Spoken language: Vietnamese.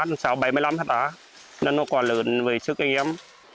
nó là một quả lượng về sức anh em